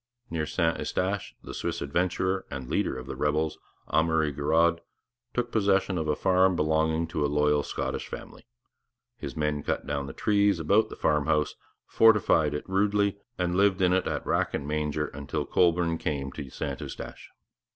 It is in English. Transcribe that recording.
Near St Eustache the Swiss adventurer and leader of the rebels, Amury Girod, took possession of a farm belonging to a loyal Scottish family. His men cut down the trees about the farm house, fortified it rudely, and lived in it at rack and manger until Colborne came to St Eustache.